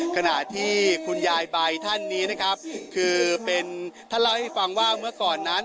ขณะที่คุณยายใบท่านนี้นะครับคือเป็นท่านเล่าให้ฟังว่าเมื่อก่อนนั้น